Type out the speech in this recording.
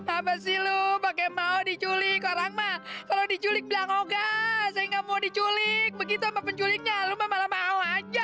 apa sih lu pake mau diculik orang mah kalau diculik bilang oga saya nggak mau diculik begitu penculiknya lu malah mau aja